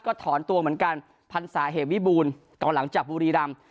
ก็ถอนตัวเหมือนกันพันศาเหวิบูรณ์ตอนหลังจากบุรีรำ